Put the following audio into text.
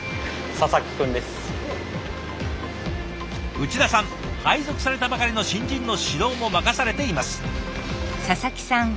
内田さん配属されたばかりの新人の指導も任されています。